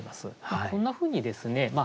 こんなふうにですね